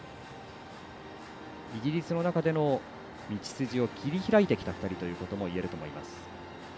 イギリスの中での道筋を切り開いてきた２人ということもいえると思います。